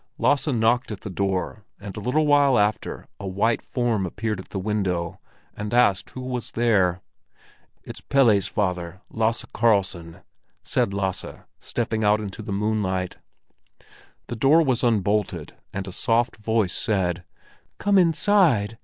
Lasse knocked at the door, and a little while after a white form appeared at the window, and asked who was there. "It's Pelle's father, Lasse Karlsson," said Lasse, stepping out into the moonlight. The door was unbolted, and a soft voice said: "Come inside!